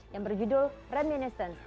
yang berjudul reminiscence